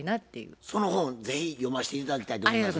その本是非読ませて頂きたいと思います。